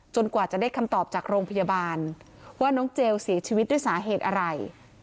กว่าจะได้คำตอบจากโรงพยาบาลว่าน้องเจลเสียชีวิตด้วยสาเหตุอะไร